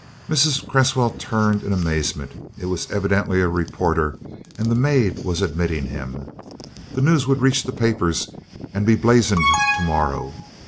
Mrs. Cresswell turned in amazement. It was evidently a reporter, and the maid was admitting him. The news would reach the papers and be blazoned to morrow.